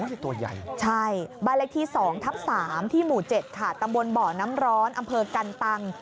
ตัวใหญ่ใช่บ้านเลขที่๒ทับ๓ที่หมู่๗ค่ะตำบลบ่อน้ำร้อนอำเภอกันตัง